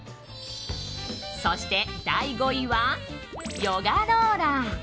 そして、第５位はヨガローラー。